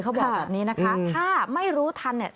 เขาบอกแบบนี้นะคะถ้าไม่รู้ทันเนี่ย